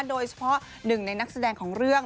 โดยเฉพาะหนึ่งในนักแสดงของเรื่อง